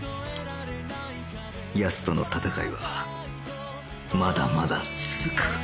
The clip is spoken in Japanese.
奴との戦いはまだまだ続く